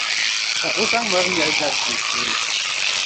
Ka o zaŋ mɔri nyɛli dari sunsuuni.